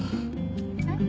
えっ？